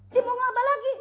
dia mau ngapa lagi